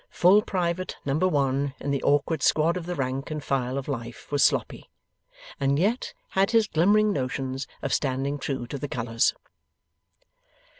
Full Private Number One in the Awkward Squad of the rank and file of life, was Sloppy, and yet had his glimmering notions of standing true to the Colours.